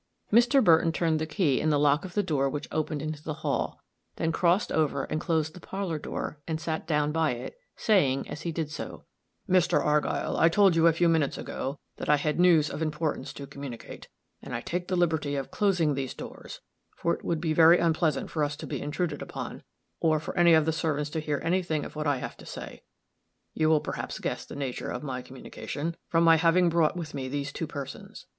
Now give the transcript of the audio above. Mr. Burton turned the key in the lock of the door which opened into the hall; then crossed over and closed the parlor door, and sat down by it, saying as he did so, "Mr. Argyll, I told you a few moments ago, that I had news of importance to communicate, and I take the liberty of closing these doors, for it would be very unpleasant for us to be intruded upon, or for any of the servants to hear any thing of what I have to say. You will perhaps guess the nature of my communication, from my having brought with me these two persons.